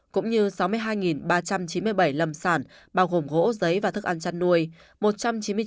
cũng như sáu mươi hai ba trăm chín mươi bảy lâm sản bao gồm gỗ giấy và thức ăn chăn nuôi